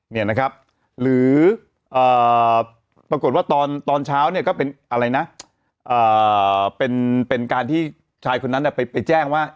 เนี่ยนะครับหรือปรากฏว่าตอนเช้าเนี่ยก็เป็นอะไรนะเป็นการที่ชายคนนั้นไปแจ้งว่า